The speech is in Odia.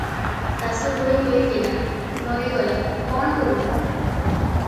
ଶାଶୁ ବୁଢ଼ୀ ହୋଇଥିଲା, ମରିଗଲା, କଣ କରିବୁ?